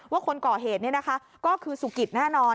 คนก่อเหตุนี้นะคะก็คือสุกิตแน่นอน